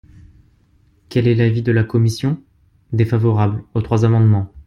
Quel est l’avis de la commission ? Défavorable aux trois amendements.